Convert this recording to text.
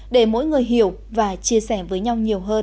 để mỗi người hiểu và chia sẻ với nhau nhiều hơn